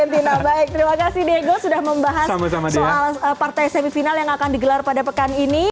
baik terima kasih diego sudah membahas soal partai semifinal yang akan digelar pada pekan ini